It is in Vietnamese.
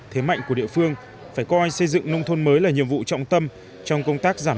thế mạnh của địa phương phải coi xây dựng nông thôn mới là nhiệm vụ trọng tâm trong công tác giảm